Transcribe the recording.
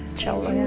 insya allah ya